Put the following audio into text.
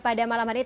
pada malam hari ini